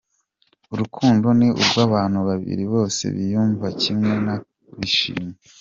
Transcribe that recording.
Urukundo ni urw’abantu babiri bose biyumva kimwe kandi bishimye.